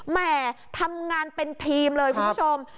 แม่ทำงานเป็นทีมเลยคุณผู้ชม